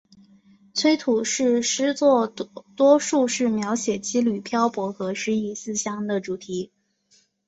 崔涂是诗作多数是描写羁旅漂泊和失意思乡的主题。